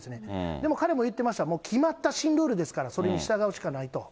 でも、彼も言ってました、もう決まった新ルールですから、それに従うしかないと。